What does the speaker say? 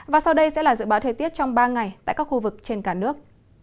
và sau đây sẽ là dự báo thời tiết trong ba ngày tại các khu vực trên cả nước